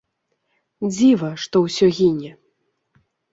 Дзіва, што ўсё гіне.